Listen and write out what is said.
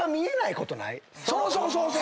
そうそうそうそう！